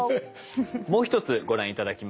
もう一つご覧頂きましょう。